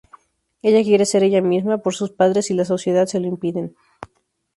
Ella quiere ser ella misma, pero sus padres y la sociedad se lo impiden.